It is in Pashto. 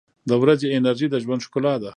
• د ورځې انرژي د ژوند ښکلا ده.